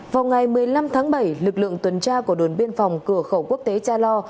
vào ngày một mươi năm tháng bảy lực lượng tuần tra của đồn biên phòng cửa khẩu quốc tế cha lo